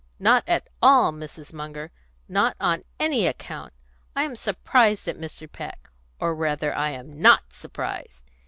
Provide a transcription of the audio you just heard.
"Not at all, Mrs. Munger; not on any account! I am surprised at Mr. Peck, or rather I am not surprised.